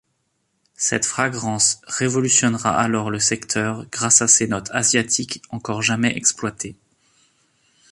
Cette fragrance révolutionnera alors le secteur grâce à ses notes asiatiques encore jamais exploitées.